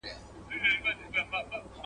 پلان د بریالیتوب لومړی شرط دی.